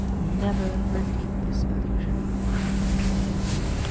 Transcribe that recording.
Never repeat this illusion.